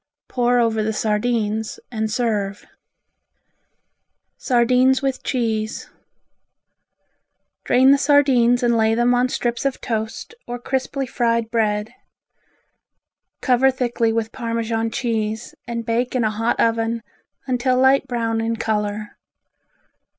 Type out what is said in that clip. Pour over the sardines and serve. Sardines with Cheese Drain the sardines and lay them on strips of toast or crisply fried bread. Cover thickly with Parmesan cheese and bake in a hot oven until light brown in color.